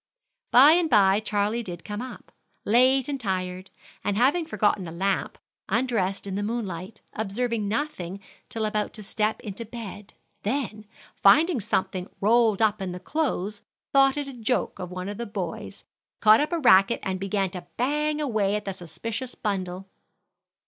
By and by Charlie did come up, late and tired, and having forgotten a lamp, undressed in the moonlight, observing nothing till about to step into bed; then, finding something rolled up in the clothes, thought it a joke of the other boys, caught up a racket and began to bang away at the suspicious bundle.